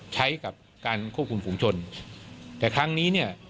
ใช้กับการควบคุมฝุงชนแต่ครั้งนี้เนี่ย